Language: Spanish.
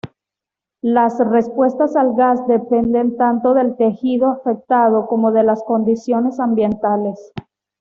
Las respuestas al gas dependen tanto del tejido afectado como de las condiciones ambientales.